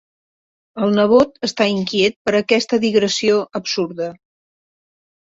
El nebot està inquiet per aquesta digressió absurda.